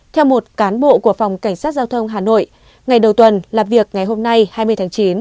theo một cán bộ của phòng cảnh sát giao thông hà nội ngày đầu tuần làm việc ngày hôm nay hai mươi tháng chín